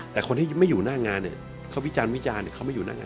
แต่คนที่ไม่อยู่หน้างานเนี่ยเขาวิจารณวิจารณ์เขาไม่อยู่หน้างาน